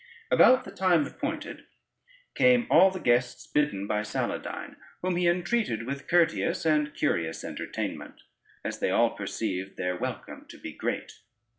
About the time appointed, came all the guests bidden by Saladyne, whom he entreated with courteous and curious entertainment, as they all perceived their welcome to be great.